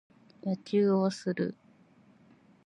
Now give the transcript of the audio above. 野球をする。